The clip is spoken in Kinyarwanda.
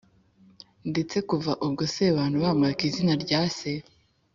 ndetse kuva ubwo sebantu bamwaka izina rya se